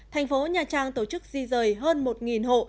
thành phố nhà trang tổ chức di rời hơn một hộ